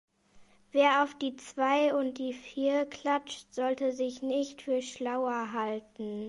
Wer auf die Zwei und die Vier klatscht, sollte sich nicht für schlauer halten.